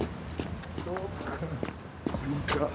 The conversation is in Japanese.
こんにちは。